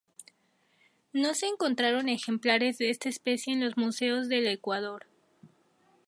No se encontraron ejemplares de esta especie en los museos del Ecuador.